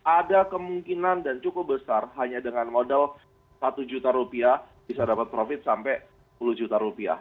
ada kemungkinan dan cukup besar hanya dengan modal satu juta rupiah bisa dapat profit sampai sepuluh juta rupiah